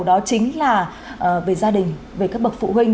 đó chính là về gia đình về các bậc phụ huynh